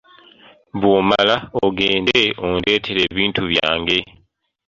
Bw’omala, ogende ondeetere ebintu byange.